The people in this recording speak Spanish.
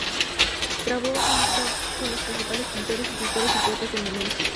Trabó amistad con los principales pintores, escritores y poetas del momento.